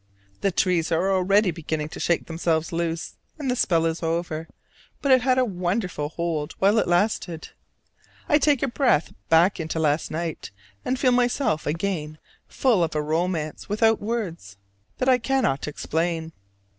The trees are already beginning to shake themselves loose, and the spell is over: but it had a wonderful hold while it lasted. I take a breath back into last night, and feel myself again full of a romance without words that I cannot explain.